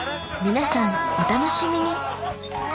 皆さんお楽しみにえ？